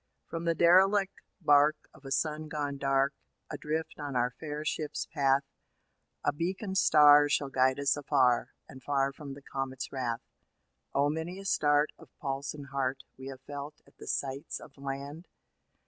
From the derelict barque of a sun gone dark, Adrift on our fair ship's path, A beacon star shall guide us afar, And far from the comet's wrath. Oh! many a start of pulse and heart We have felt at the sights of land.